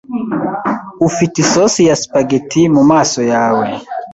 Ufite isosi ya spaghetti mumaso yawe.